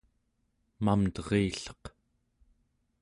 Mamterilleq